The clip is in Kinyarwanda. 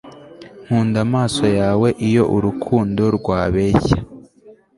nkunda amaso yawe iyo urukundo rwabeshya